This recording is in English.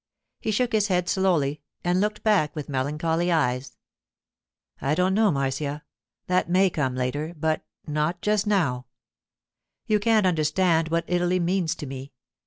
He shook his head slowly and looked back with melancholy eyes. 'I don't know, Marcia. That may come later—but—not just now. You can't understand what Italy means to me.